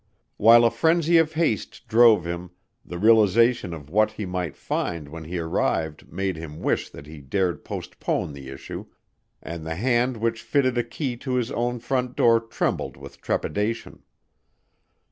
While a frenzy of haste drove him, the realization of what he might find when he arrived made him wish that he dared postpone the issue, and the hand which fitted a key to his own front door trembled with trepidation.